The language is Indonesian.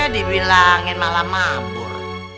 dibilangin malah mabur